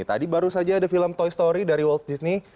tadi baru saja ada film toy story dari world disney